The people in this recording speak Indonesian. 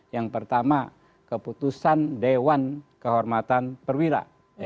yang pertama keputusan dewan kehormatan perwira